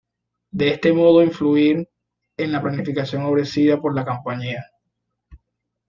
De este modo influir en la planificación ofrecida por la compañía